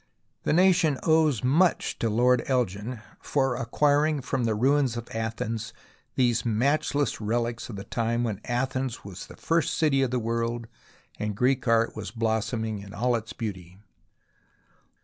The nation owes much to Lord Elgin for acquiring from the ruins of Athens these matchless relics of the time when Athens was the first city of the world and Greek art was blooming in all its beauty.